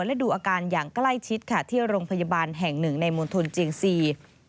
และดูอาการอย่างใกล้ชิดค่ะที่โรงพยาบาลแห่งหนึ่งในมณฑลเจียงซี